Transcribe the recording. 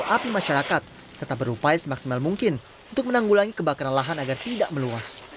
api masyarakat tetap berupaya semaksimal mungkin untuk menanggulangi kebakaran lahan agar tidak meluas